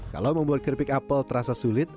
kalau membuat keripik apel terasa sulit